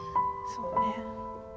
そうね